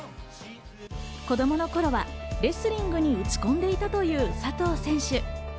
子供の頃はレスリングに打ち込んでいたという佐藤選手。